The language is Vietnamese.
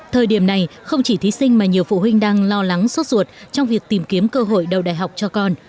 thời điểm này không chỉ thí sinh mà nhiều phụ huynh đang lo lắng suốt ruột trong việc tìm kiếm cơ hội đầu đại học cho con